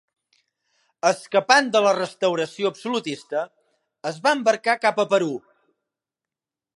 Escapant de la restauració absolutista, es va embarcar cap al Perú.